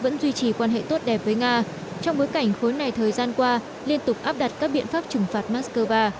nga chỉ quan hệ tốt đẹp với nga trong bối cảnh khối này thời gian qua liên tục áp đặt các biện pháp trừng phạt moscow